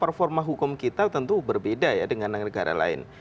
performa hukum kita tentu berbeda ya dengan negara lain